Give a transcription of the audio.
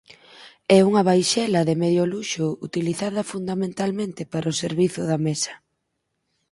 É unha vaixela de medio luxo utilizada fundamentalmente para o servizo da mesa.